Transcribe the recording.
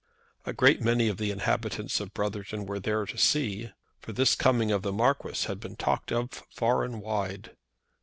A great many of the inhabitants of Brotherton were there to see, for this coming of the Marquis had been talked of far and wide.